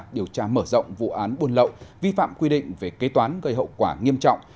điều tra mở rộng vụ án buôn lậu vi phạm quy định về kế toán gây hậu quả nghiêm trọng